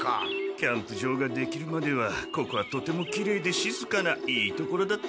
キャンプ場ができるまではここはとてもきれいで静かないい所だったですだ。